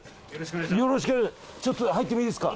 よろしければちょっと入ってもいいですか？